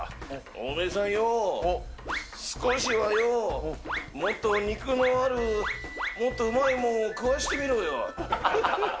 おめえさんよ、少しはよー、もっと肉のある、もっとうまいものを食わしてみろよ。